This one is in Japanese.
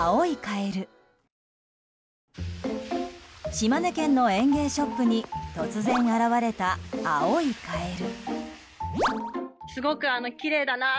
島根県の園芸ショップに突然現れた青いカエル。